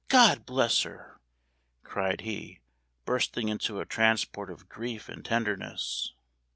God bless her!" cried he, bursting into a transport of grief and tenderness.